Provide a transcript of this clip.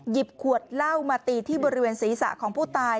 ขวดเหล้ามาตีที่บริเวณศีรษะของผู้ตาย